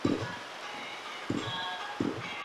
کله به حکومت سوداګري په رسمي ډول وڅیړي؟